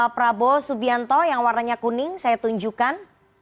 prabowo subianto yang warnanya kuning saya tunjukkan